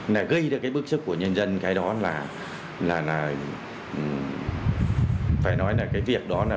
là gây ra cái bức sức của nhân dân cái đó là phải nói là cái việc đó là